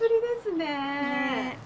ねえ。